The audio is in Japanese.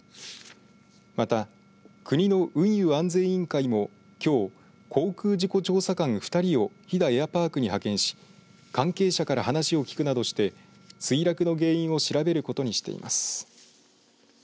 また、国の運輸安全委員会もきょう、航空事故調査官２人を飛彈エアパークに派遣し関係者から話を聞くなどして墜落の原因を調べることにしています。